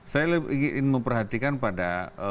saya ingin memperhatikan pada